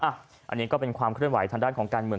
อันนี้ก็เป็นความเคลื่อนไหวทางด้านของการเมือง